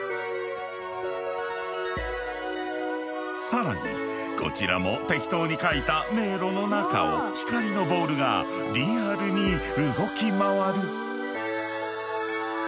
更にこちらも適当に描いた迷路の中を光のボールがリアルに動き回る。